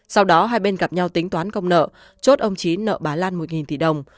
sau đó hai bên gặp nhau tính toán công nợ chốt ông trí nợ bà lan một tỷ đồng